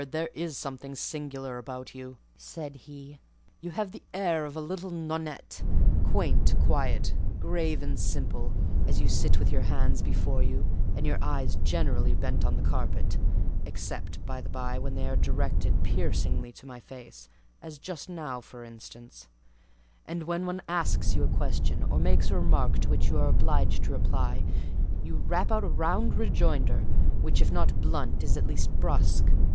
there is something singular about you," said he: "you have the air of a little nonnette; quaint, quiet, grave, and simple, as you sit with your hands before you, and your eyes generally bent on the carpet (except, by the bye, when they are directed piercingly to my face; as just now, for instance); and when one asks you a question, or makes a remark to which you are obliged to reply, you rap out a round rejoinder, which, if not blunt, is at least brusque.